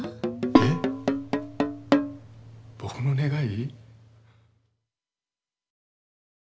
えっ僕の願い？